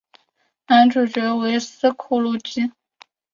男主角为斯库路吉。